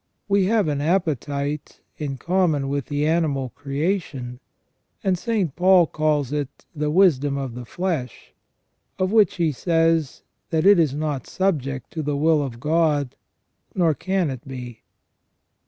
We have an appetite, in common with the animal creation, and St. Paul calls it " the wisdom of the flesh "; of which he says, that "it is not subject to the will of God, nor can it be